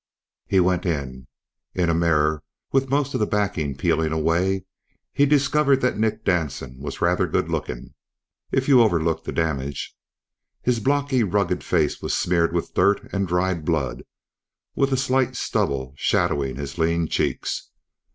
He went in. In a mirror, with most of the backing peeling away, he discovered that Nick Danson was rather good looking, if you overlooked the damage. His blocky, rugged face was smeared with dirt and dried blood, with a slight stubble shadowing his lean cheeks.